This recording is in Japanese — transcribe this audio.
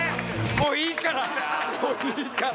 もういいから！